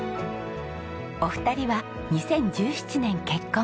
お二人は２０１７年結婚。